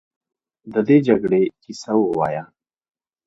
د دې جګړې کیسه ووایه.